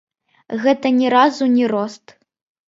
Гэта ні разу не рост.